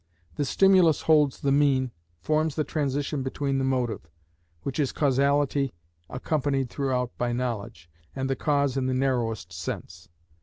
The stimulus holds the mean, forms the transition between the motive, which is causality accompanied throughout by knowledge, and the cause in the narrowest sense.